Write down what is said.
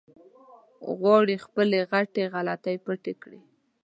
غواړي خپلې غټې غلطۍ پټې کړي.